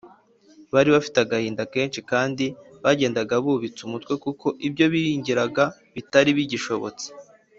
bari bafite agahinda kenshi, kandi bagendaga bubitse umutwe kuko ibyo biringiraga bitari bigishobotse